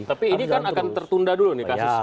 tapi ini kan akan tertunda dulu nih kasusnya